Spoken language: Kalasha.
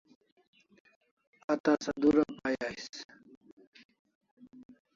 A tasa dura pay ais